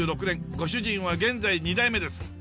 ご主人は現在２代目です。